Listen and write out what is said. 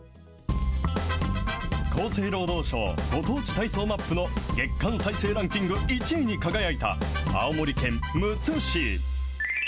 厚生労働省ご当地体操マップの月間再生ランキング１位に輝いた、青森県むつ市。